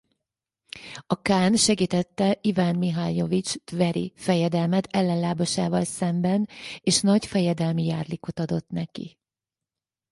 A kán segítette Ivan Mihajlovics tveri fejedelmet ellenlábasával szemben és nagyfejedelmi jarlikot adott neki.